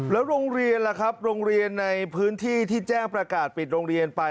โรงเรียนล่ะครับโรงเรียนในพื้นที่ที่แจ้งประกาศปิดโรงเรียนไป